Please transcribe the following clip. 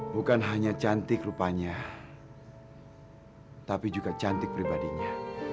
bukan hanya cantik rupanya tapi juga cantik pribadinya